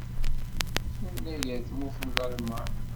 Tunag ar tmurt n Lalman.